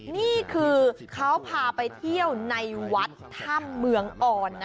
นี่คือเขาพาไปเที่ยวในวัดถ้ำเมืองอ่อนนะ